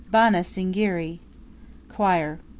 Bana Singiri! Choir.